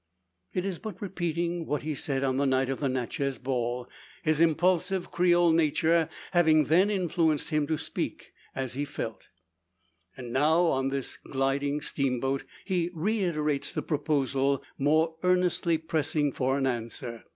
It is but repeating what he said on the night of the Natchez ball; his impulsive Creole nature having then influenced him to speak as he felt. Now, on the gliding steamboat, he reiterates the proposal, more earnestly pressing for an answer.